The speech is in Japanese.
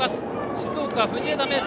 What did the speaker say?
静岡・藤枝明誠。